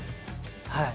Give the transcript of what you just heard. はい